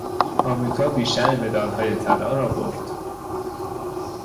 امریکا بیشتر مدالهای طلا را برد.